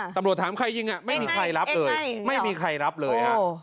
ตำรวจถามใครยิงไม่มีใครรับเลยไม่มีใครรับเลยฮะ